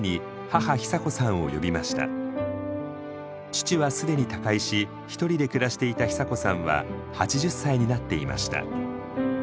父は既に他界し一人で暮らしていた久子さんは８０歳になっていました。